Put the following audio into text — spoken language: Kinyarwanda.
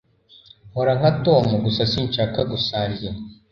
Nkora nka Tom Gusa sinshaka gusangira